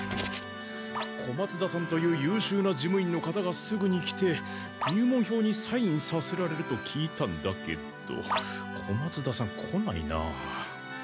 小松田さんというゆうしゅうな事務員の方がすぐに来て入門票にサインさせられると聞いたんだけど小松田さん来ないなあ。